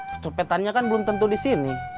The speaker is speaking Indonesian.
kecopetannya kan belum tentu di sini